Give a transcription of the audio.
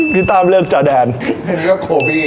นี่ตามเลือกจอดแดนอันนี้ก็โคบี้